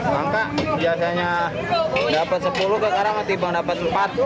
maka biasanya dapat sebagian